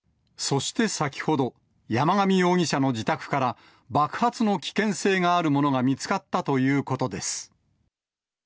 そして先ほど、山上容疑者の自宅から、爆発の危険性があるものが見つかったということです。